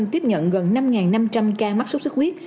tiếp nhận gần năm năm trăm linh ca mắc xuất khuyết